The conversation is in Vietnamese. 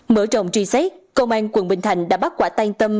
mở rộng truy xét công an quận bình thạnh đã bắt quả tan tâm